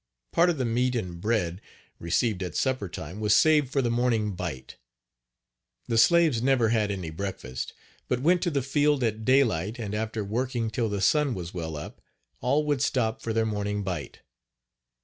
Part of the meat and bread received at supper time was saved for the " morning bite." The slaves never had any breakfast, but went to the field at daylight and after working till the sun was well up, all would stop for Page 39 their morning bite.